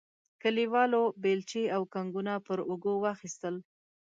کلیوالو بیلچې او کنګونه پر اوږو واخیستل.